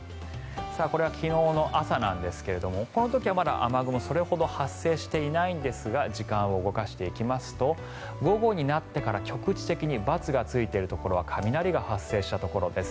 これは昨日の朝なんですがこの時はまだ雨雲それほど発生していないですが時間を動かしていきますと午後になってから局地的にバツがついているところは雷が発生したところです。